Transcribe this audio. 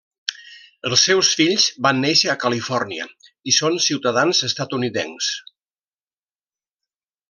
Els seus fills van néixer a Califòrnia i són ciutadans estatunidencs.